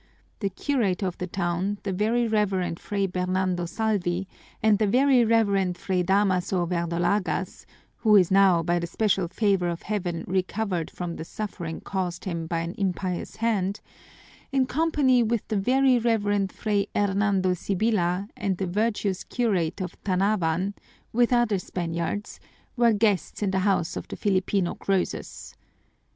The curate of the town, the Very Reverend Fray Bernardo Salvi, and the Very Reverend Fray Damaso Verdolagas, who is now by the special favor of Heaven recovered from the suffering caused him by an impious hand, in company with the Very Reverend Fray Hernando Sibyla and the virtuous curate of Tanawan, with other Spaniards, were guests in the house of the Filipino Croesus.